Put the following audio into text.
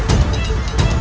aku tidak mau